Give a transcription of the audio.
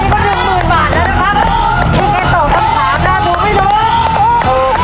พี่เค้ตกคำถามนะถูกหรือไม่ถูก